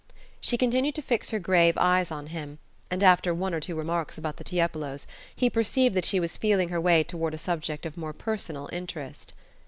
She continued to fix her grave eyes on him, and after one or two remarks about the Tiepolos he perceived that she was feeling her way toward a subject of more personal interest.